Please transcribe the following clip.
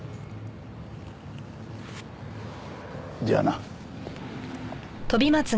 じゃあな。